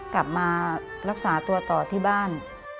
กลับมารักษาตัวต่อที่บ้าน